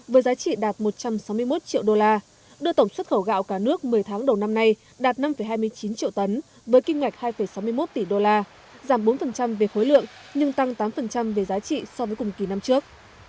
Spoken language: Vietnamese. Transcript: với giá trị đạt một trăm sáu mươi một triệu đô la đưa tổng xuất khẩu gạo cả nước một mươi tháng đầu năm nay đạt năm hai mươi chín triệu tấn với kinh ngạch hai sáu mươi một tỷ đô la giảm bốn về khối lượng nhưng tăng tám về giá trị so với cùng kỳ năm trước